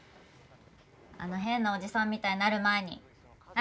あの変なおじさんみたいになる前に早く脱いで！